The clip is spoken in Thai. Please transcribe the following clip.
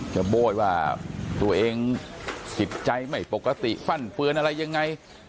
โบ้ยว่าตัวเองจิตใจไม่ปกติฟั่นเฟือนอะไรยังไง